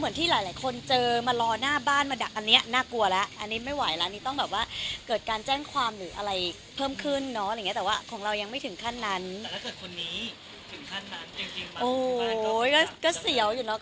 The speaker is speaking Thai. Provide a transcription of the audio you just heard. เหมือนที่หลายคนเจอมารอหน้าบ้านมาดักอันนี้น่ากลัวแล้วอันนี้ไม่ไหวแล้วอันนี้ต้องแบบว่าเกิดการแจ้งความหรืออะไรเพิ่มขึ้นเนาะอะไรอย่างเงี้ย